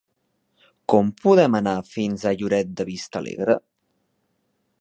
Com podem anar fins a Lloret de Vistalegre?